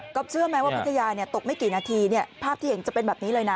ก็เชื่อไหมว่าพิทยาตกไม่กี่นาทีภาพที่เห็นจะเป็นแบบนี้เลยนะ